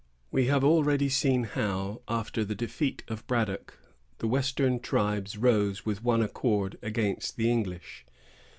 We have already seen how, after the defeat of Braddock, the western tribes rose with one accord against the English.